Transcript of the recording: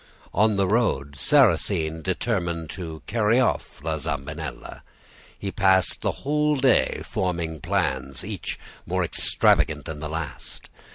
On the road, Sarrasine determined to carry off La Zambinella. He passed the whole day forming plans, each more extravagant than the last.